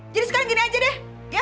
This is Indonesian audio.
jadi sekarang gini saja deh